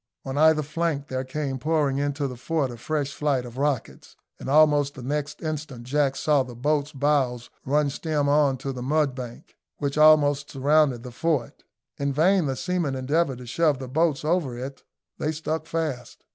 On either flank there came pouring into the fort a fresh flight of rockets, and almost the next instant Jack saw the boats' bows run stem on to the mudbank, which almost surrounded the fort. In vain the seamen endeavoured to shove the boats over it they stuck fast.